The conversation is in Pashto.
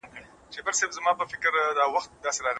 وزیر اکبر خان د خپلو ملګرو هڅونې لپاره هره لار وکاروله.